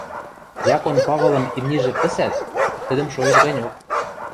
Якон Павылын имнижӹ пӹсӓт, тӹдӹм шоэш ганьок.